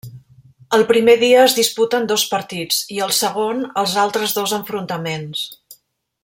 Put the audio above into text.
El primer dia es disputen dos partits, i el segon, els altres dos enfrontaments.